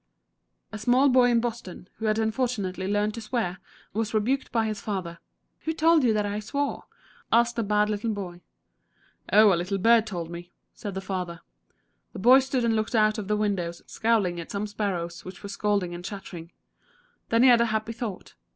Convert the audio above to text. '"A small boy in Boston, who had unfortunately learned to swear, was rebuked by his father. "Who told you that I swore?" asked the bad little boy. "Oh, a little bird told me," said the father. The boy stood and looked out of the window, scowling at some sparrows which were scolding and chattering. Then he had a happy thought.